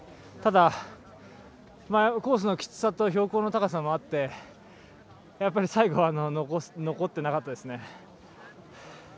ただ、コースのきつさと標高の高さもあってやっぱり最後は残ってなかったですね。